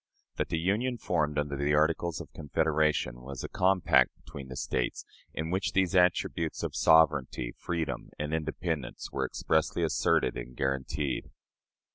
That the union formed under the Articles of Confederation was a compact between the States, in which these attributes of "sovereignty, freedom, and independence," were expressly asserted and guaranteed.